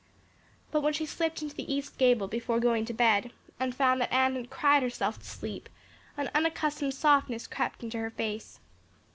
But when she slipped into the east gable before going to bed and found that Anne had cried herself to sleep an unaccustomed softness crept into her face.